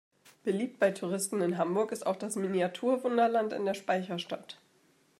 Beliebt bei Touristen in Hamburg ist auch das Miniatur-Wunderland in der Speicherstadt.